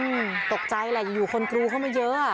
อื้อตกใจเลยอยู่คนกลูเขามาเยอะ